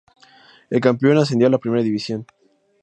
El campeón ascendió a la Primera División.